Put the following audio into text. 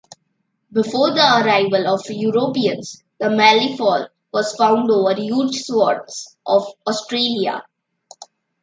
Before the arrival of Europeans, the malleefowl was found over huge swathes of Australia.